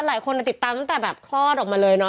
หลายคนติดตามตั้งแต่แบบคลอดออกมาเลยเนาะ